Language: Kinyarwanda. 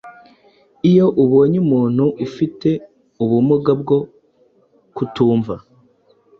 Iyo ubonye umuntu ufite ubumuga bwo kutumva